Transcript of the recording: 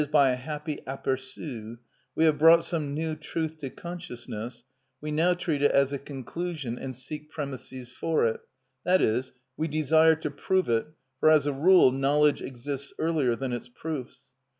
_, by a happy apperçu, we have brought some new truth to consciousness, we now treat it as a conclusion and seek premisses for it, that is, we desire to prove it, for as a rule knowledge exists earlier than its proofs.